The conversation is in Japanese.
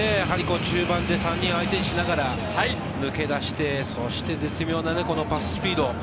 中盤で３人を相手にしながら抜け出して、そして絶妙なパススピード。